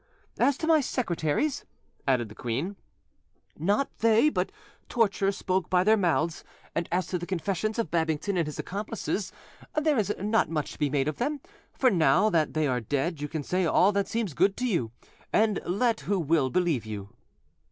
"As to my secretaries," added the queen, "not they, but torture spoke by their mouths: and as to the confessions of Babington and his accomplices, there is not much to be made of them; for now that they are dead you can say all that seems good to you; and let who will believe you."